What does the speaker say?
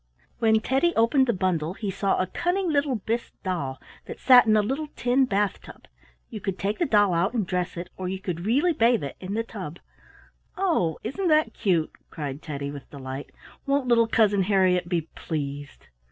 When Teddy opened the bundle he saw a cunning little bisque doll that sat in a little tin bath tub. You could take the doll out and dress it, or you could really bathe it in the tub. "Oh! isn't that cute!" cried Teddy, with delight. "Won't little Cousin Harriett be pleased!"